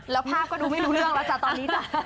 แล้วภาพก็ดูไม่รู้เรื่องแล้วจ้ะตอนนี้จ้ะ